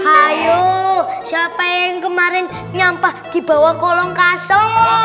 ayo siapa yang kemarin nyamuk di bawah kolong kasur